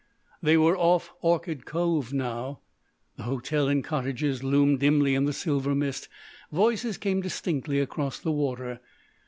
They were off Orchid Cove now. The hotel and cottages loomed dimly in the silver mist. Voices came distinctly across the water.